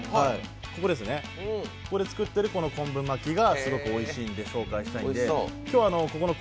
ここで作っている昆布巻がすごくおいしいんで、紹介したいんで。